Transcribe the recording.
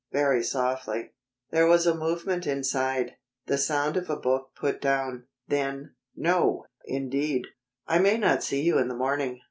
very softly. There was a movement inside, the sound of a book put down. Then: "No, indeed." "I may not see you in the morning.